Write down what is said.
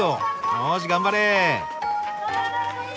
よし頑張れ。